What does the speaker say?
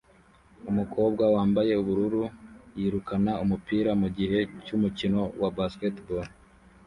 Umukobwa wambaye ubururu yirukana umupira mugihe cyumukino wa basketball